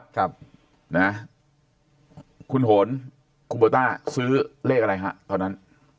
คุณโหนคุณโบต้าซื้อเลขอะไรครับตอนนั้น